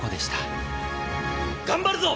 頑張るぞ！